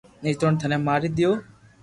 نيتوڻ ٿني ماري دآئو